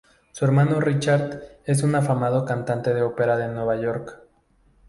Su hermano Richard es un afamado cantante de ópera de Nueva York.